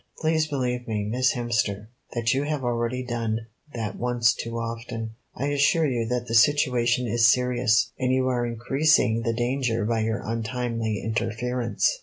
"Please believe me, Miss Hemster, that you have already done that once too often. I assure you that the situation is serious, and you are increasing the danger by your untimely interference."